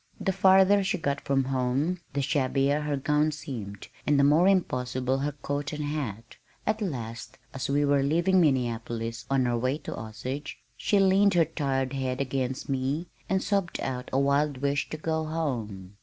The farther she got from home the shabbier her gown seemed and the more impossible her coat and hat. At last, as we were leaving Minneapolis on our way to Osage she leaned her tired head against me and sobbed out a wild wish to go home.